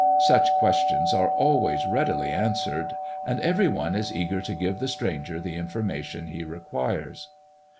Such questions are always readily answered, and every one is eager to give the stranger the information he requires.